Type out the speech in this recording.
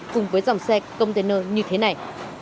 cùng với dòng xe container như thế này